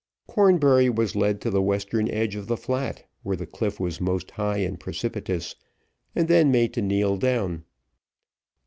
Cornbury was led to the western edge of the flat, where the cliff was most high and precipitous, and then made to kneel down.